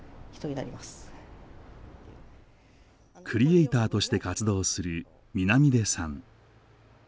クリエイターとして活動する南出さん。